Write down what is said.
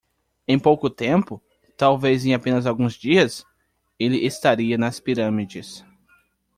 Em pouco tempo? talvez em apenas alguns dias? ele estaria nas pirâmides.